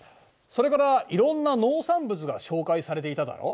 それからいろんな農産物が紹介されていただろ？